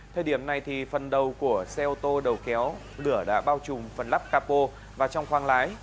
thời điểm này thì phần đầu của xe ô tô đầu kéo lửa đã bao trùm phần lắp capo và trong khoang lái